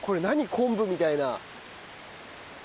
昆布みたいな。